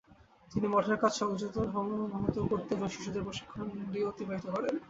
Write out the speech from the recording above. তিনি মঠের কাজ সংহত করতে এবং শিষ্যদের প্রশিক্ষণ দিয়ে অতিবাহিত করেন।